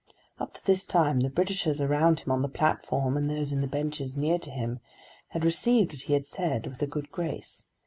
Up to this time the Britishers around him on the platform and those in the benches near to him, had received what he said with a good grace.